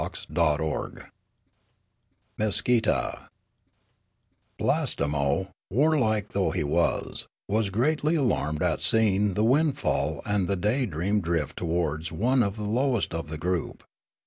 CHAPTER XXXI MESKEETA BLASTEMO, warlike though he was, was greatly alarmed at seeing the wind fall and the Daydream drift towards one of the lowest of the group.